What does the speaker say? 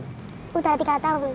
sudah tiga tahun